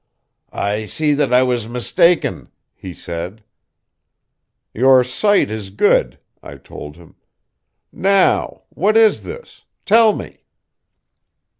"'I see that I was mistaken,' he said. "'Your sight is good,' I told him. 'Now what is this? Tell me.'